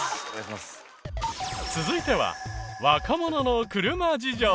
続いては若者の車事情。